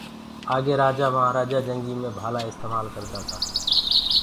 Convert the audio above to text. آگي رآجآ مآهرآجآ جنگيٚ مي ڀآلآ استمآل ڪردآ تآ۔